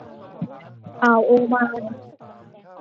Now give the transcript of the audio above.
อ่าวโอมาน